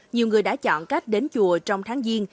nhiều người đã chọn cách đến chùa trong tháng diên